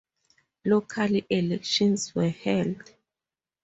Local elections were held.